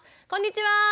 こんにちは。